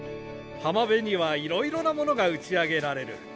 浜辺にはいろいろなものが打ち上げられる。